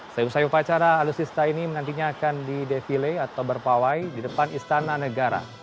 selesai upacara alutsista ini nantinya akan di defile atau berpawai di depan istana negara